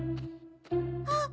あっ。